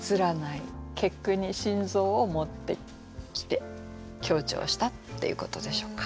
結句に「心臓」を持ってきて強調したっていうことでしょうか。